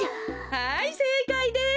はいせいかいです。